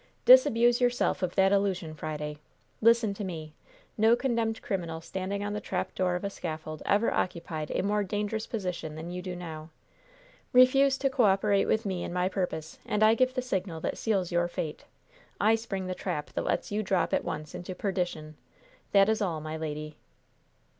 Disabuse yourself of that illusion. Friday, listen to me: No condemned criminal standing on the trapdoor of a scaffold ever occupied a more dangerous position than you do now. Refuse to co operate with me in my purpose, and I give the signal that seals your fate I spring the trap that lets you drop at once into perdition. That is all, my lady."